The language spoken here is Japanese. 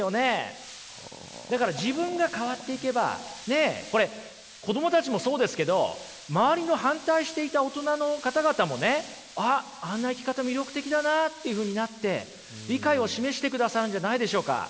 だから自分が変わっていけばこれ子供たちもそうですけど周りの反対していた大人の方々もねあっあんな生き方魅力的だなっていうふうになって理解を示してくださるんじゃないんでしょうか？